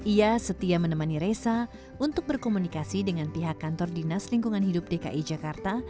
ia setia menemani resa untuk berkomunikasi dengan pihak kantor dinas lingkungan hidup dki jakarta